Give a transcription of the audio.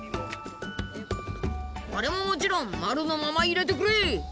これももちろんまるのまま入れてくれい！